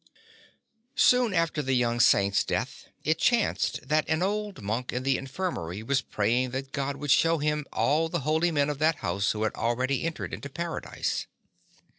Soon after the young Saint's death, it chanced that an old monk in the infirmary was praying that God would show him all the holy men of that house who had already entered into Paradise.